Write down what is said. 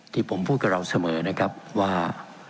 ที่ผมพูดกับเราเสมอนะครับว่า